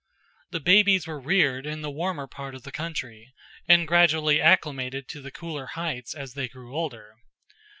The babies were reared in the warmer part of the country, and gradually acclimated to the cooler heights as they grew older.